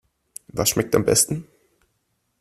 Was schmeckt am besten?